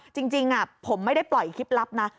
จริงผมไม่ได้ปล่อยคลิปลับนะ